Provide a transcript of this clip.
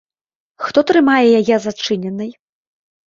Хто трымае яе зачыненай?